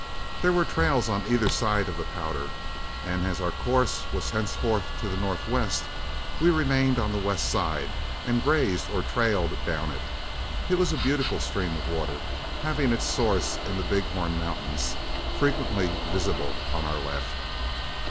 There were trails on either side of the Powder, and as our course was henceforth to the northwest, we remained on the west side and grazed or trailed down it. It was a beautiful stream of water, having its source in the Big Horn Mountains, frequently visible on our left.